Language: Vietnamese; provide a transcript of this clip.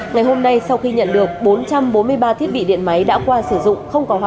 ngày hôm nay sau khi nhận được bốn trăm bốn mươi ba thiết bị điện máy đã qua sử dụng không có hóa